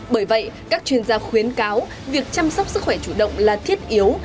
bởi vậy các chuyên gia khuyến cáo việc chăm sóc sức khỏe chủ động là thiết yếu